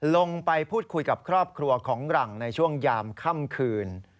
ลงไปพูดคุยกับครอบครัวของหลังในช่วงยามค่ำคืน